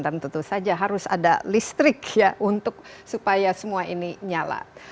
dan tentu saja harus ada listrik ya untuk supaya semua ini nyala